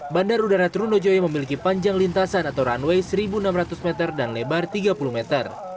bandar udara trunojoyo memiliki panjang lintasan atau runway satu enam ratus meter dan lebar tiga puluh meter